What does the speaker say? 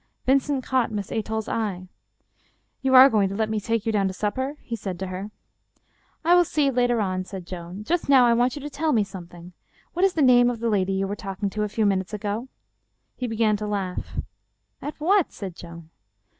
Vincent caught Miss Athol's eye. " You are going to let me take you down to supper ?" he said to her. " I will see later on," said Joan. " Just now I want you to tell me something. What is the name of the lady you were talking to a few minutes ago ?" He began to laugh. "At what?" said Joan.